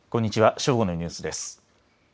正午のニュースです。